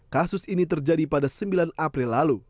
kasus ini terjadi pada sembilan april lalu